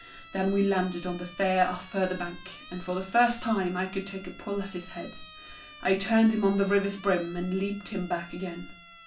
Then we landed on the far off further bank, and for the first time I could take a pull at his head. I turned him on the river's brim, and leaped him back again.